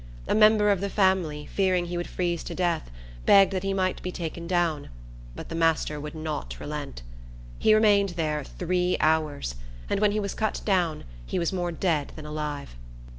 A member of the family, fearing he would freeze to death, begged that he might be taken down; but the master would not relent. He remained there three hours; and, when he was cut down, he was more dead than alive.